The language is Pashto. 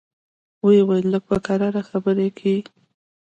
ويې ويل لږ به په کراره خبرې کيې.